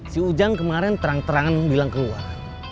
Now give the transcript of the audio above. si ujang kemarin terang terangan bilang keluar